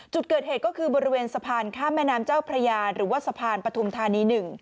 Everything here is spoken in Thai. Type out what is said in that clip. จุดเกิดเหตุก็คือบริเวณสะพานข้ามแม่น้ำเจ้าพระยาหรือว่าสะพานปฐุมธานี๑